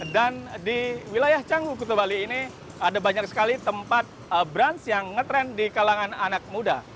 dan di wilayah canggu kuta bali ini ada banyak sekali tempat brunch yang ngetren di kalangan anak muda